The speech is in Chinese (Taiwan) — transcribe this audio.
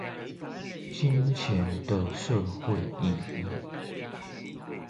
金錢的社會意義